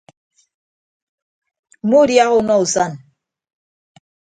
Mmuudiaha unọ usan.